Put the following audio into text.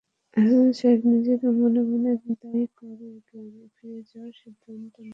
হাসান সাহেব নিজেকে মনে মনে দায়ী করে গ্রামে ফিরে যাওয়ার সিদ্ধান্ত নেন।